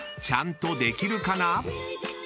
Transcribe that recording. ちゃんとできるかな？］